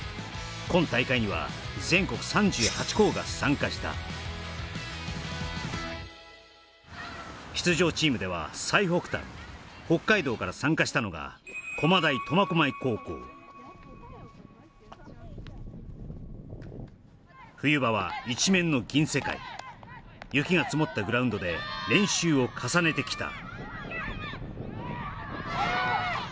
今大会には全国３８校が参加した出場チームでは最北端北海道から参加したのが駒大苫小牧高校冬場は一面の銀世界雪が積もったグラウンドで練習を重ねてきた